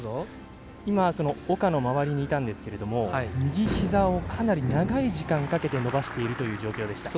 今、岡の周りにいたんですが右ひざをかなり長い時間かけて伸ばしているという状況でした。